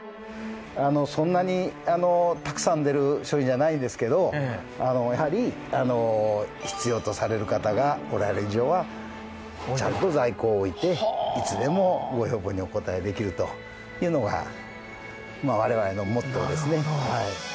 そんなにたくさん出る商品じゃないんですけど必要とされる人がおられる以上はちゃんと在庫を置いていつでもご要望にお応えできるというのが我々のモットーですね。